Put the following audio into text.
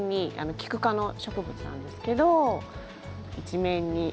キク科の植物なんですけど一面に。